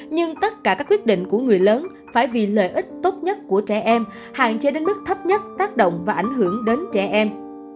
nhưng tất cả các quyết định của người lớn phải vì lợi ích tốt nhất của trẻ em hạn chế đến mức thấp nhất tác động và ảnh hưởng đến trẻ em